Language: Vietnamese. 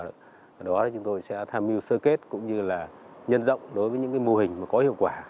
ở đó chúng tôi sẽ tham mưu sơ kết cũng như là nhân rộng đối với những mô hình có hiệu quả